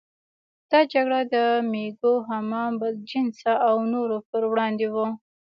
دا جګړه د مېږو، حمام بدجنسه او نورو پر وړاندې وه.